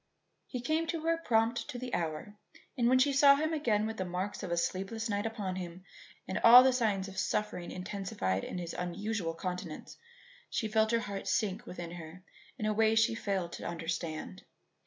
He came prompt to the hour, and when she saw him again with the marks of a sleepless night upon him and all the signs of suffering intensified in his unusual countenance, she felt her heart sink within her in a way she failed to understand.